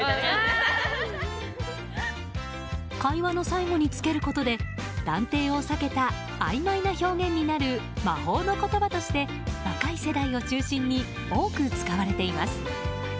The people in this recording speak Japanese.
会話の最後につけることで断定を避けたあいまいな表現になる魔法の言葉として若い世代を中心に多く使われています。